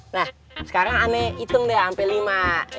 nah sekarang ane hitung deh ampe lima